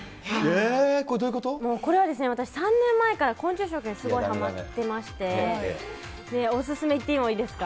これは、私３年前から昆虫食にすごいはまってまして、お勧め言ってもいいですか？